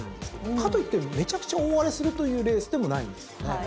かといってめちゃくちゃ大荒れするというレースでもないんですよね。